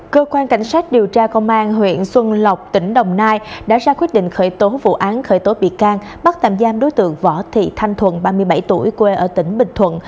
cơ quan cảnh sát điều tra công an huyện xuân lộc tỉnh đồng nai đã ra quyết định khởi tố vụ án khởi tố bị can bắt tạm giam đối tượng võ thị thanh thuận ba mươi bảy tuổi quê ở tỉnh bình thuận